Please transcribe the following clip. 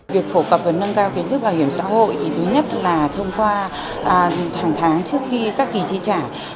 việc phổ cập và nâng cao kiến thức bảo hiểm xã hội thì thứ nhất là thông qua hàng tháng trước khi các kỳ chi trả